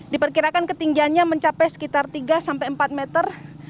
diperkirakan ketinggiannya mencapai sekitar tiga sampai empat meter